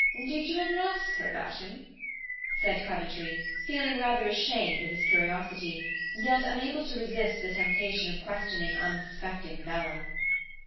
Did you ever ask her about him?" said Coventry, feeling rather ashamed of his curiosity, yet unable to resist the temptation of questioning unsuspecting Bella.